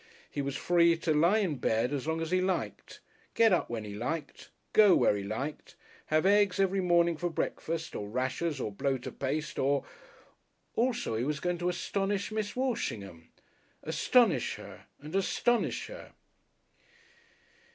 He was free to lie in bed as long as he liked, get up when he liked, go where he liked, have eggs every morning for breakfast or rashers or bloater paste or.... Also he was going to astonish Miss Walshingham.... Astonish her and astonish her....